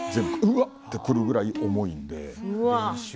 うわっとくるぐらい重いので。